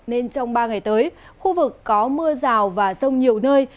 nên trong ba ngày tới khu vực có mưa rào và rông nhiều nơi